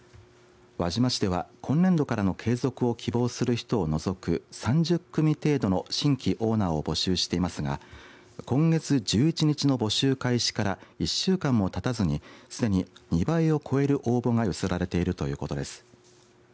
輪島市では、今年度からの継続を希望する人を除く３０組程度の新規オーナーを募集していますが今月１１日の募集開始から１週間もたたずにすでに２倍を超える応募が寄せられているということです。